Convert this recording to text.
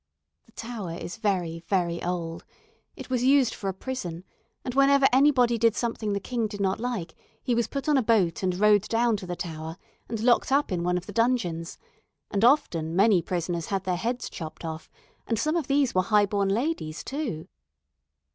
The "Tower" is very, very old; it was used for a prison, and whenever anybody did something the king did not like, he was put on a boat and rowed down to the Tower and locked up in one of the dungeons, and often many prisoners had their heads chopped off, and some of these were high born ladies, too!